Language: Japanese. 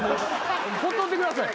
・ほっといてください。